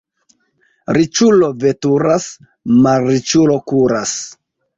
Riĉulo veturas, malriĉulo kuras.